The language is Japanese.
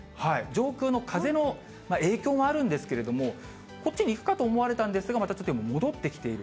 上空の風の影響もあるんですけれども、こっちに行くかと思われたんですが、またちょっと戻ってきている。